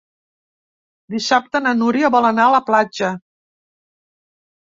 Dissabte na Núria vol anar a la platja.